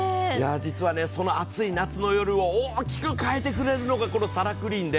実はその暑い夏の夜を大きく変えてくれるのがサラクリーン。